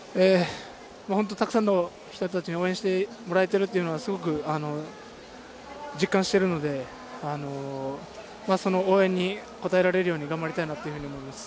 本当にたくさんの人たちに応援してもらえてるっていうのは、すごく実感してるので、その応援に応えられるように頑張りたいなっていうふうに思います。